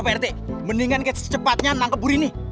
pak rt mendingan kita secepatnya nangkep buri nih